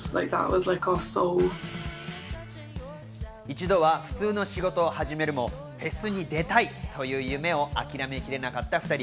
一度は普通の仕事を始めるも、フェスに出たいという夢を諦めきれなかった２人。